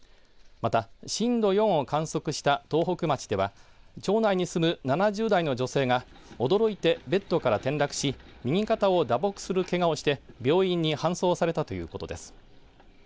また、震度４を観測した東北町では町内に住む７０代の女性が驚いてベッドから転落し右肩を打撲する、けがをして病院に搬送されたということです。